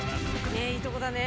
ねいいとこだね。